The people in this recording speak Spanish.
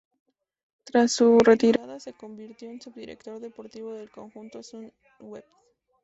Tras su retirada se convirtió en director deportivo del conjunto Sunweb.